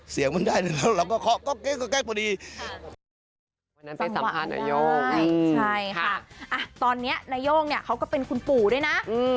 เสียงมันได้เลยแล้วเราก็เคาะเคาะแก๊กเคาะแก๊กพอดีใช่ตอนนี้นายโย่งเนี่ยเขาก็เป็นคุณปู่ด้วยนะอืม